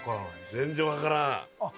全然分からんあっ